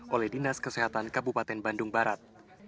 oleh dinas kesehatan kabupaten bandung barat